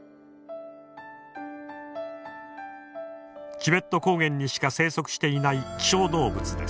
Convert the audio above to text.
チベット高原にしか生息していない希少動物です。